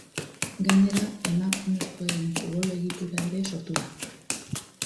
Gainera, emakumezkoen futbol-egitura ere sortu da.